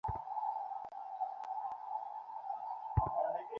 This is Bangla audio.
আর এত বই লিখেছে?